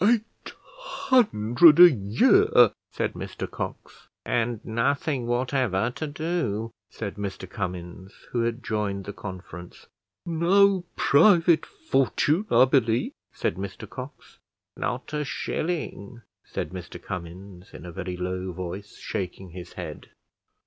"Eight hundred a year!" said Mr Cox. "And nothing whatever to do!" said Mr Cummins, who had joined the conference. "No private fortune, I believe," said Mr Cox. "Not a shilling," said Mr Cummins, in a very low voice, shaking his head.